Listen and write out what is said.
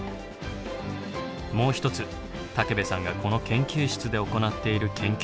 もう一つ武部さんがこの研究室で行っている研究があります。